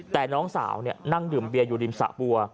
แต่น้องสาวนั่งดื่มเบียอยู่ริมสะบัว